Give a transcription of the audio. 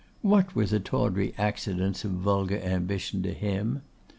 What were the tawdry accidents of vulgar ambition to him?